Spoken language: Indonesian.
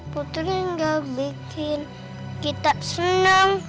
putri gak bikin kita seneng